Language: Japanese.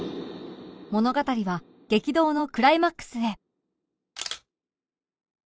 物語は激動のクライマックスへ